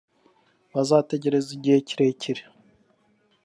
bazategereza Igihe kirekire